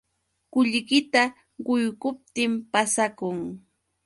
Qullqita quykuptin pasakun.